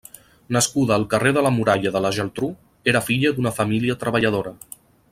Nascuda al carrer de la Muralla de la Geltrú, era filla d'una família treballadora.